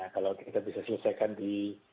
kalau kita bisa selesaikan di